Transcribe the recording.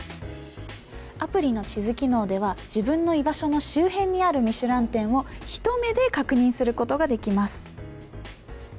アプリの地図機能では自分の居場所の周辺にあるミシュラン店を、ひと目で確認することができます。